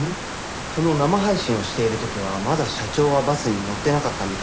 この生配信をしている時はまだ社長はバスに乗ってなかったみたいですね。